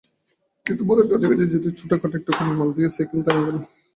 কিন্তু মোড়ের কাছাকাছি যেতেই ছোটখাটো একটা গোলমাল দেখে সাইকেল থেকে নামতে হলো।